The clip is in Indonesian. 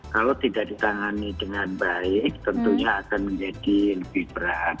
kalau tidak ditangani dengan baik tentunya akan menjadi lebih berat